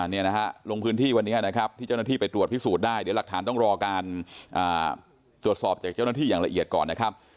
นี่นะฮะลงพื้นที่วันนี้นะครับที่เจ้าหน้าที่ไปตรวจพิสูจน์ได้เดี๋ยวหลักฐานต้องรอการตรวจสอบจากเจ้าหน้าที่อย่างละเอียดก่อนนะครับ